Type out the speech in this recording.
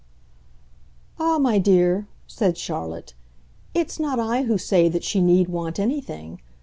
"Ah, my dear," said Charlotte, "it's not I who say that she need want anything.